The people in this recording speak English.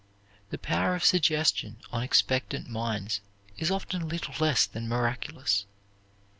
The power of suggestion on expectant minds is often little less than miraculous.